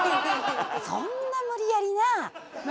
そんな無理やりなあ？